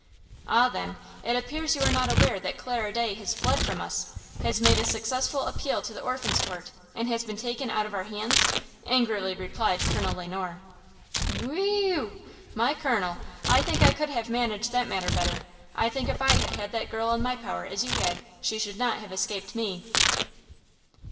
"Ah, then, it appears you are not aware that Clara Day has fled from us–has made a successful appeal to the Orphans' Court, and been taken out of our hands?" angrily replied Colonel Le Noir. "Whe ew! My colonel, I think I could have managed that matter better! I think if I had had that girl in my power as you had, she should not have escaped me!"